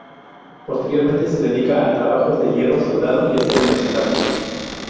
Posteriormente se dedica a trabajos en hierro soldado y acero inoxidable.